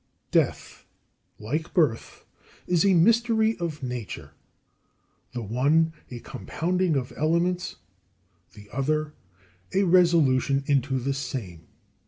5. Death, like birth, is a mystery of nature; the one a compounding of elements, the other a resolution into the same.